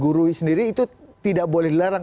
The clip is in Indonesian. guru sendiri itu tidak boleh dilarang